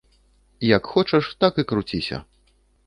Як хочаш, так і круціся.